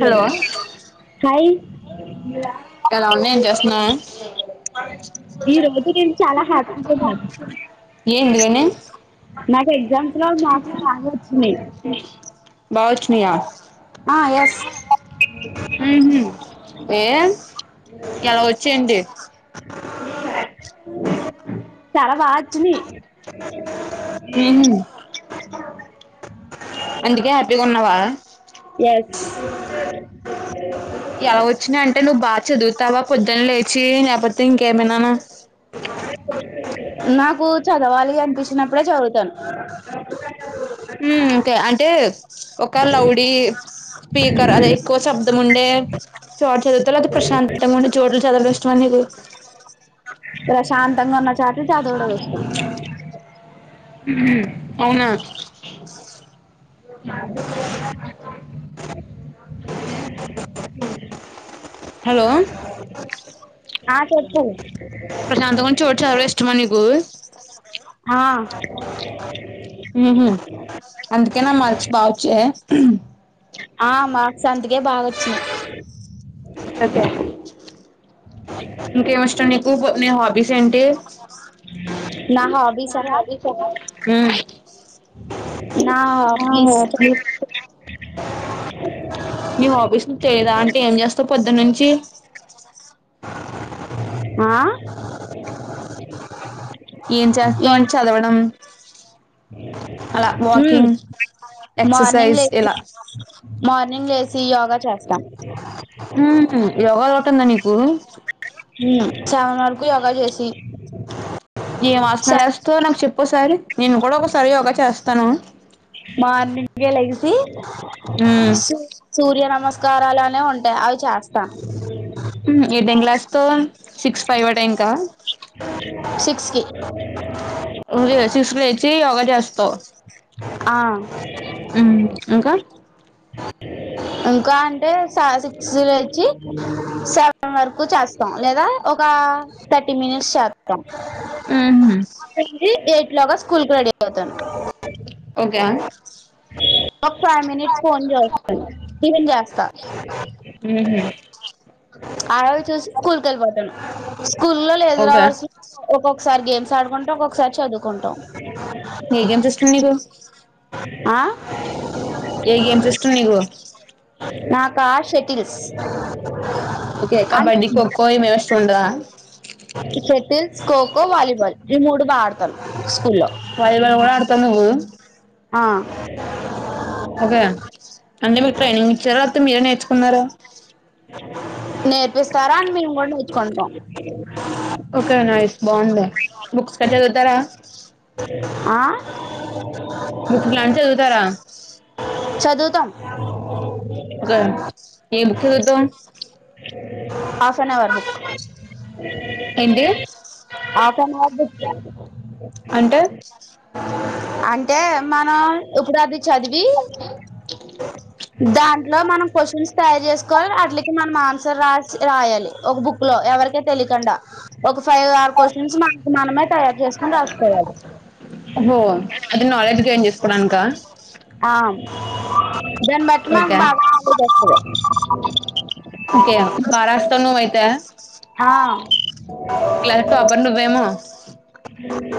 Hello hi ఎలా ఉన్నా ఏం చేస్తున్నావు, ఈ రోజు నేను చాలా హ్యాపీగా ఉన్నాను ఏంది నాకు ఎగ్జామ్స్ లో మార్క్స్ బాగానే వచ్చినాయి. బాగా వచ్చినాయా ఆ ఎస్ ఏ ఎలా వచ్చేయండి [unintelligible] [unintelligible] చున్నీ ఏంది అందుకే హ్యాపీగా ఉన్నావా [unintelligible] ఎలా వచ్చినాయి అంటే నువ్వు బాగా చదువుతావా పొద్దున్న లేచి లేకపోతే ఇంకేమైనానా, [unintelligible] నాకు చదవాలి అనిపించినప్పుడే చదువుతాను, ఓకే అంటే ఒక లౌడీ స్పీకర్ అదె ఎక్కువ శబ్దం ఉండే, చోటు చదువుతారు అది ప్రశాంతంగా ఉండే చోట్లు చదవడం ఇష్టం మా నీకు ప్రశాంతంగా ఉన్నా చోటు చదవడం ఇష్టం, అవునా హలో [unintelligible] ఆ చెప్పు ప్రశాంతం గా ఉన్న చోటు చదవడం ఇష్టమా నీకు ఆ ఉహు అందుకే నా మార్క్స్ బావచ్చేయి, ఆ మాక్స్ అందుకే బాగా వొచ్చింది. [unintelligible] ఇంకేమి ఇష్టం నీకు నీ హాబీస్ ఏంటి [unintelligible] నా హాబీసా హాబిస్ ఆ నా హాబీస్ నీ హాబీస్ ను తెలీదా అంటే ఏం చేస్తావు పొద్దు నుంచి ఆ యేం చేస్తాన్ ఏంటి చదవడం అలా ఉమ్ వాకింగ్. మార్నింగ్ ఎక్సర్సైజ్ లేసి ఇలా మార్నింగ్ లేసి యోగా చేస్తాన్. మ్మ్ యోగా అలవాటుందా నీకూ. మ్మ్ సెవెన్ వరకు యోగా చేషి. యేం ఆసనాలేస్తవ్ నాకు చెప్పోసారి. నేను కూడా ఒకసారి యోగా చేస్తనూ. మార్నింగే లెగిసీ ఉమ్. సూ సూర్య నమస్కారాలనే ఉంటయి అవి చేస్తా. మ్మ్ ఏ టైమ్కి లేస్తవ్ సిక్స్ ఫైవ్ ఆ టైమ్కా. సిక్స్కి. [unintelligible] సిక్స్ లేచి యోగా చేస్ ఆ [unintelligible] మ్మ్ ఇంకా. [inaudible] ఇంకా అంటే స సిక్స్కి లేచి సెవెన్ వరకు చేస్తాం లేదా ఒక [unintelligible] థర్టీ మినిట్స్ శాత్తం. ఊ హూ [unintelligible] ఎయిట్ లోగా స్కూల్కు రెడీ అయిపోతాను. ఓకే ఒ ఫైవ్ మినిట్స్ ఫోన్ చూస్తూ టిఫెన్ జాస్తా. ఉహు, [unintelligible] చూసి స్కూల్కేళ్ళిపోతాను స్కూల్లో లీసర్ ఓకే అవర్స్లో ఒక్కొ ఒకసారి గేమ్స్ ఆడుకుంట ఒక్కొక్కసారి చదువుకుంటాం. ఏ గేమ్స్ ఇష్టం నీకూ. ఆ ఏ గేమ్స్ ఇష్టం నీకు నాకా షటిల్స్ [unintelligible] ఓకే కబడ్డీ ఖోఖో ఏమి ఎస్ట్ ఉండదా షేటిల్ ఖోఖో వాలీబాల్ ఈ మూడు బా ఆడతాను స్కూల్లో. వాలీబాల్ కూడ అడుతనువ్వూ. ఆ ఓకే అంటె మీక్ ట్రైనింగ్ ఇచ్చార లేపోతే మీరే నేర్చుకున్నారా. [inaudible] నేర్పిస్తారండ్ మేము కూడ నేర్చుకుంటాం. కంచే పెడతారా. ఆ బుక్స్ లాంటి చదువుతారా చదువుతం. ఒకే ఏ బుక్స్ చదుతావ్. ఆ తన వర్క్ బుక్ ఏంటి ఆసన వర్క్ బుక్ అంటే [unintelligible] అంటే మనం ఇప్పుడవ్వి చదివీ. దాంట్లో మనం క్వశన్స్ తయారుజేస్కొ వాట్లకి మనం ఆన్సర్ రాసి రాయాలి ఒక బుక్లో ఎవరికీ తెలికుండా ఒక ఫైవ్ ఆర్ క్వశ్చన్స్ మన్కు మనమే తయారు చేస్కోని రాస్కోవాలి. ఓహో అది నాలెడ్జ్ గైన్ జేస్ ఆ దాన్ బట్టి మాకు ఓకే బాగా నాలెడ్జ్ ఒస్తది. ఓకే బారాస్తాన్నవయితే. ఆ టాపర్ నువ్వేమో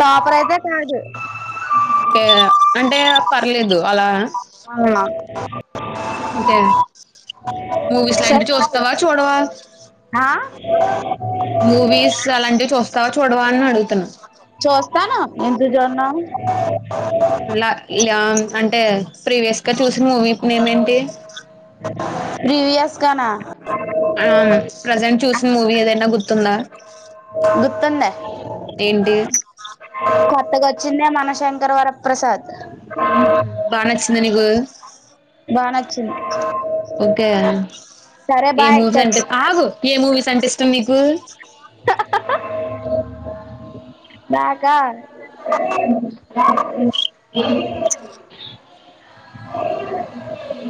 టోపరయితే కాదు. అంటే అంటే పర్లేదు అలా. ఆ ఒకే మూవీస్ లాంటి సరే బాయ్ చూస్తవా చూడవా. ఆ మూవీస్ అలాంటివి చూస్తావ చూడవా అని అడుగుతున్న. చూస్తాను ఎందుచూడ్నూ. అంటే ప్రీవియస్ గా చూసిన మూవీ న ఏమేంటి ప్రివయాస్ గనా ఆ ప్రజెంట్ చూసిన మూవీ ఏదైనా గుర్తుందా గుర్తుందా ఏంటి కొత్త కొ చిన్నమాన శంకర్ వర ప్రసాద్ బాగా నచ్చిందా నీకు బా నచ్చింది ఓకే సరే ఏ బాయ్ మూవీస్ అంటే చచ్చిపోయాను బగు ఏ మూవీస్ అంటే ఇష్టం మీకు [inaudible] నాకా [inaudible] [inaudible]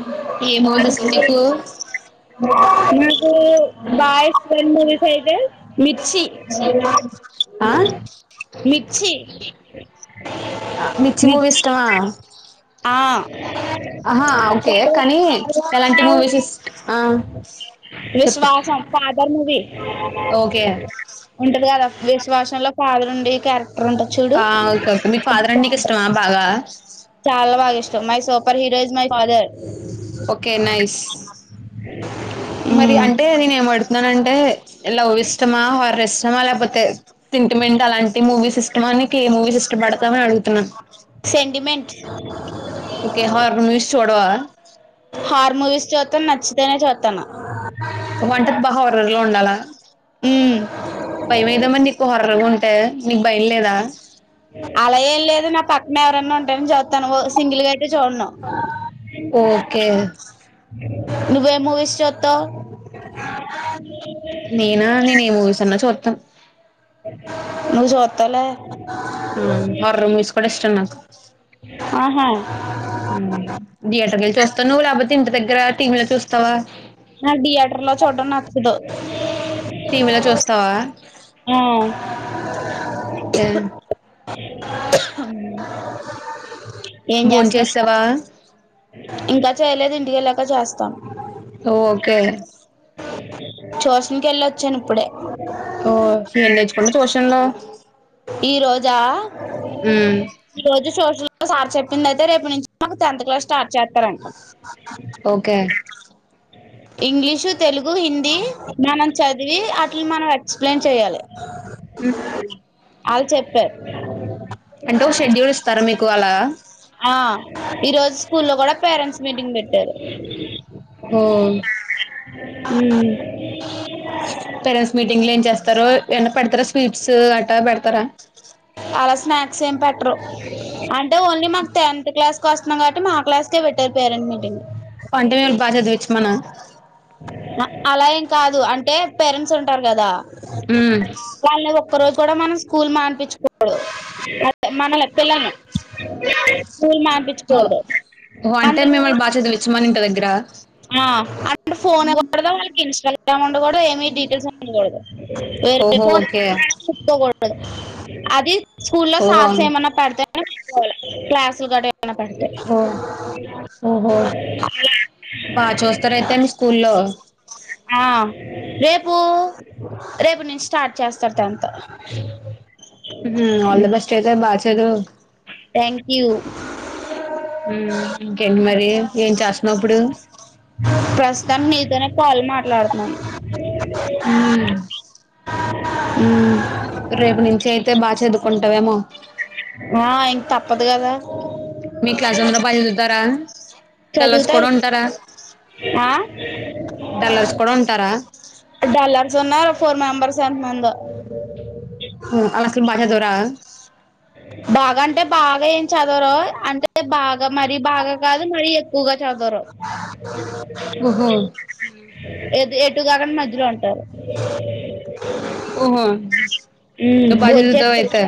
ఏ మూవీస్ ఇష్టం నీకు నాకు బాయస్ వన్ మూవీస్ అయితే మిర్చి ఆ మిర్చి మిర్చి మూవిఇష్టమా ఆ ఓకే కానీ స ఎలాంటి మూవీస్ ఇ ఆ చెప్పు విశ్వాస ఫాదర్ మూవీ ఓకే ఉంటది కదా విశ్వాసం ఫాదర్ ఉండి క్యారెక్టర్ ఉంటా చూడు ఆ ఓకే ఓకే మీ అబ్ ఫాదర్ అంటే నీకు బాగుంట ఇష్టమా బాగా చాలా బాగా ఇష్టం my super hero is my father okay nice మరి ఫాదర్ అంటే నేను ఏం అడుతున్నానంటే లవ్ ఇష్టమా వారు ఇష్టమా లేకపోతే సెంటిమెంట్ అలాంటి మూవీస్ ఇష్టమానికి ఏ మూవీస్ ఇష్టపడతామని అడుగుతున్నాం సెంటిమెంట్ ఓకే హార్ మూవీస్ చూడవా కుత్తమ వంట బాగా హర్రలో ఉండాలా ఉమ్, భయమేదా నీకు హర్రర్ ఎ ఉంటే నీకు భయం లేదా అలా ఏం లేదు నా పక్కన ఎవరైన్నా ఉంటేని చదువుతాను ఓ సింగిల్ గడ్ చూర్ణం ఓకే నువ్వే మూవీ చూస్తావ్ నేనా నేను ఏ మూవీస్ అన్నా చూస్తాను నువ్వు చూస్తావ్ లే ఆ అర్రంస్ కూడా ఎస్ నా ఆహా ఉమ్ థియేటర్ నుంచి వెళ్లి వస్తున్నావు లేకపోతే దగ్గర టీమ్ లో చూస్తావా ఆ థియేటర్ లో చూడడం నచ్చదు టీవీలో చూస్తావా ఆ, ఉమ్ అ ఏం చేస్తున్నారు భోంచేసావా? ఇంకా చేయలేదు ఇంటికెళ్ళాక చేస్తాం ఓకే ట్యూషన్ కి వెళ్ళొచ్చాను ఇప్పుడే ఓ స ఏం నేర్చుకున్నావ్ ట్యూషన్ లో ఈ రోజా మ్మ్ ఈ రోజు సోషల్ సార్ చెప్పిందయితే రేపు నుంచి మాకు టెన్త్ క్లాస్ స్టార్ట్ చేస్తారంట ఓకే ఇంగ్లీషు తెలుగు హిందీ మనం చదివి మనం ఎక్స్ప్లెయిన్ చేయ్యాలి ఉమ్ అంటే ఓ షెడ్యూల్ ఇస్తారా మీకు అలా ఆ ఈ రోజు స్కూల్లో కూడా పేరెంట్స్ మీటింగ్ పెట్ ఉమ్ ఉమ్ [inaudible] [unintelligible] పేరెంట్స్ మీటింగ్ లో ఏం చేస్తారు ఎన్న పెడతారా స్వీట్స్ అట్టా పెడతారా అలా స్నాక్స్ ఏమి పెట్టరు అంటే ఓన్లీ మాకు టెన్త్ క్లాస్ క్లాస్ వస్తున్నాం కాబట్టి మా క్లాసుకే పెట్టేది పేరెంట్ మీటింగ్ అంటే బాగా చదివిచ్చ మనా అలా ఏం కాదు అంటే పేరెంట్స్ ఉంటారు కదా మ్మ్ వాళ్ళని ఒక్కరోజు ఇక్కడ మనం స్కూల్ మానిపించు డదు అద మనల్ పిల్లల్ని స్కూల్ ఓ మానిపించకూడదు ఓ అంటే మిమ్మల్ని బాగా చదివిచ్చమని ఇంటి దగ్గర అ అంటే ఫోన్ ఇయ్యకూడదు వాళ్ళకి ఇన్స్టాగ్రామ్ ఉండకూడదు ఏమి డీటెయిల్స్ ఉండకూడదు వేరే ఓహో ఫోను ఓకే కూడా ముట్టుకోకూడదు అది స్కూల్లో ఓహో సార్స్ ఏమన్నా పెడితేనే క్లాసులు గడ పనపడుతే [inaudible] ఓ ఓహో బాగా చూస్తారయితే మీ [inaudible] ఆ రేపు రేపు నుంచి స్టార్ట్ చేస్తారు టెన్త్ మ్మ్ ఆల్ ది బెస్ట్ అయితే బాగా చదువు థ్యాంక్ యూ హ్మ్ ఇంకేంటి మరి ఏం చేస్తున్నావ్ ఇప్పుడు ప్రస్తుతానికి నీతోనే కాల్ మాట్లాడుతున్నాను ఊమ్ హ్మ్ రేపు నుంచి అయితే బాగా చదువుకుంటావేమో ఆ ఇంక తప్పదు కదా మీ క్లాస్ అందరు బాగా చదువుతారా డల్లర్స్ కూడా చదవుతారు ఉంటారా ఆ డల్లర్స్ కూడా ఉంటారా డల్లర్స్ ఉన్నారు ఫోర్ మెంబర్స్ ఎంతమందో హ్మ్ అల్లసలు బాగ చదవరా [inaudible] బాగా అంటే బాగా ఏం చదవరు అంటే బాగా మరీ బాగా కాదు మరీ ఎక్కువగా చదవరు ఆ ఓహో ఎది ఎటు కాకండ మధ్యలో ఉంటారు ఓహో ఉమ్ నువ్వు బాగా భోజ చే చదువుతావు అయితే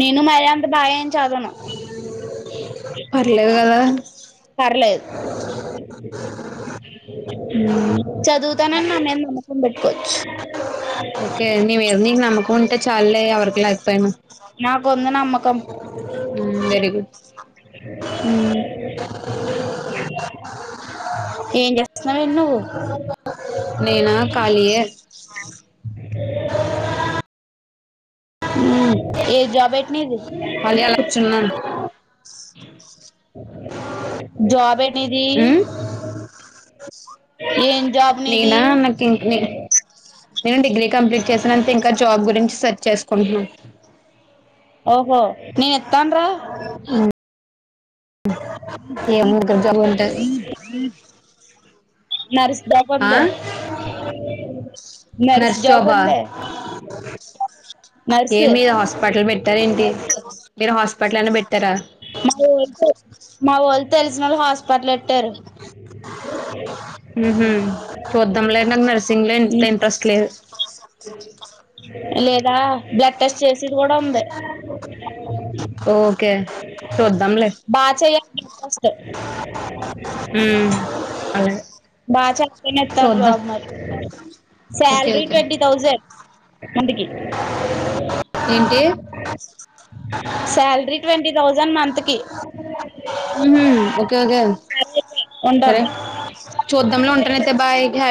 నేను మరి అంత బాగేమ్ అని చదవను పర్లేదు కదా పర్లేదు చదువుతానండి అమ్ న పెట్టుకోచ్ ఓకే నీవేర్ని నీ నమ్మకం ఉంటే చాలులే ఎవరికి లేకపోయినా నాకుంది నమ్మకం హ్మ్ వెరి గుడ్ హ్మ్ ఏం చేస్తున్నావేటి నువ్వు [inaudible] నేనా ఖాళీయే హ్మ్ ఏ జాబ్ అయి నది ఖాళీ అలా కూర్చున్నాను [inaudible] జాబ్ ఏటి నీది ఉమ్ నేనా నాకు నేను డిగ్రీ కంప్లీట్ చేసిన అంతే ఇంకా జాబ్ గురించి సెర్చ్ చేసుకుంటున్నా ఓహో నేను ఇత్తాన్ రా ఏ కజాబంట [inaudible] నరాసు దాకా ఉంద నర్స్ జాబ్ ఉండే ఏమి హాస్పిటల్ పెట్టార ఏంటి మీరు హాస్పి మా మా వల్తల్ తే హాస్పిటలెట్టారు హ చూద్దాం లే నాకు నర్సింగ్ లో ఎంత ఇంట్రెస్ట్ లేదు లేదా బ్లడ్ టెస్ట్ చేసింది కూడా ఉంది ఓకే చూద్దాంలే బచ అలా బాగా చెప్పని ఇస్తారు జాబ్ మరి okay salary okay twenty thousand అందుకి ఏంటి శాలరీ ట్వంటీ థౌజండ్ మంత్ కి ఉహు ఓకే ఓకే సరే అయితే సరే ఉంటాను చూద్దాంలో ఉంటానయితే బా